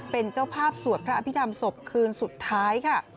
เป็นเจ้าภาพสวดพระอภิษฐรรมศพคืนสุดท้ายค่ะ